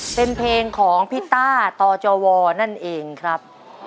เป็นเพลงของพี่ต้าตจวนั่นเองครับ